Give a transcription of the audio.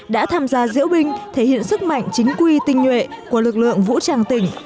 đã tham gia diễu binh thể hiện sức mạnh chính quy tinh nhuệ của lực lượng vũ trang tỉnh